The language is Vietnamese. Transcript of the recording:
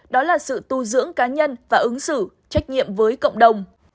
đó là sự tu dưỡng cá nhân và ứng xử trách nhiệm với cộng đồng